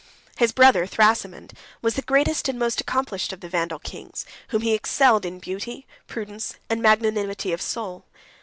His brother, Thrasimund, was the greatest and most accomplished of the Vandal kings, whom he excelled in beauty, prudence, and magnanimity of soul.